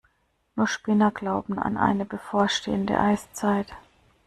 Nur Spinner glauben an eine bevorstehende Eiszeit.